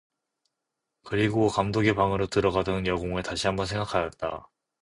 그리고 감독의 방으로 들어가던 여공을 다시 한번 생각하였다.